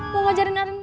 mau ngajarin arin mau